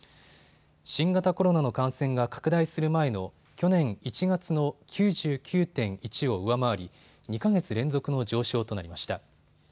新型コロナの感染が拡大する前の去年１月の９９．１を上回り２か月連続の上昇となりました。